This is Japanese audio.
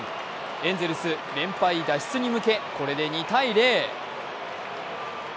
エンゼルス、連敗脱出に向けこれで２−０。